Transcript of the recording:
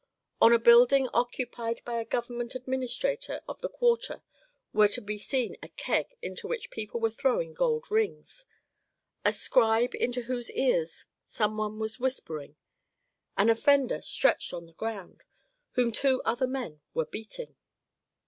On a building occupied by a government administrator of the quarter were to be seen a keg into which people were throwing gold rings; a scribe into whose ears some one was whispering; an offender, stretched on the ground, whom two other men were beating.